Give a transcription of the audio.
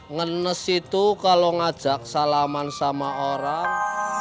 ngenes itu kalau ngajak salaman sama orang